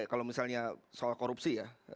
kalau misalnya soal korupsi ya